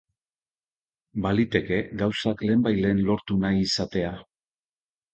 Baliteke gauzak lehenbailehen lortu nahi izatea.